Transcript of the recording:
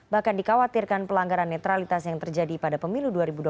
bahkan dikhawatirkan pelanggaran netralitas yang terjadi pada pemilu dua ribu dua puluh